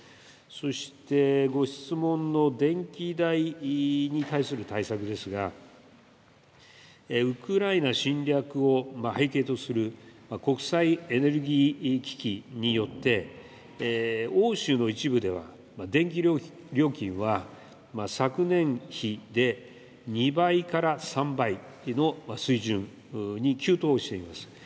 そしてご質問の電気代に対する対策ですが、ウクライナ侵略を背景とする国際エネルギー危機によって、欧州の一部では、電気料金は昨年比で２倍から３倍の水準に急騰しています。